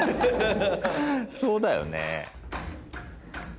そうだよね。